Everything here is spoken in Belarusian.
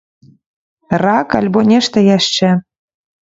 Рак, альбо нешта яшчэ.